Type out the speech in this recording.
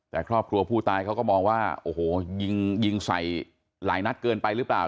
แต่ครอบครัวผู้ตายเขาก็มองว่าโอ้โหยิงยิงใส่หลายนัดเกินไปหรือเปล่า